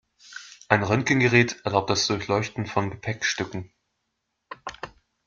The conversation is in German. Ein Röntgengerät erlaubt das Durchleuchten von Gepäckstücken.